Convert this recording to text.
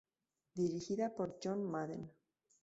Dirigida por John Madden.